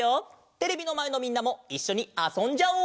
テレビのまえのみんなもいっしょにあそんじゃおう！